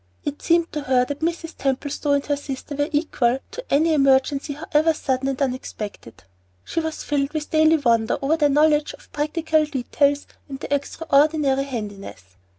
It seemed to her that Mrs. Templestowe and her sister were equal to any emergency however sudden and unexpected. She was filled with daily wonder over their knowledge of practical details, and their extraordinary "handiness."